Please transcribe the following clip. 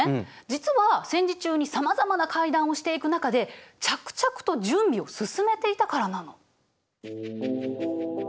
実は戦時中にさまざまな会談をしていく中で着々と準備を進めていたからなの。